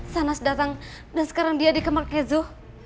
sanas datang dan sekarang dia dikemar kenzo